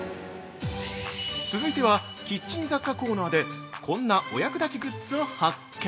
続いては、キッチン雑貨コーナーで、こんなお役立ちグッズを発見。